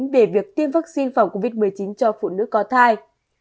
về việc tiêm vaccine phòng covid một mươi chín cho phụ nữ có thai